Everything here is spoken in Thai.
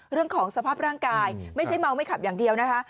เรื่องของสภาพร่างกายไม่ใช่เมาไม่ขับอย่างเดียวนะคะ